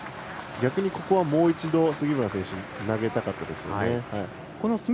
逆にここはもう一度杉村選手投げたかったですね。